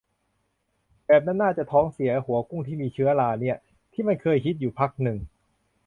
แบบนั้นน่าจะท้องเสีย หัวกุ้งที่มีเชื้อราเนี่ย ที่มันเคยฮิตอยู่พักนึง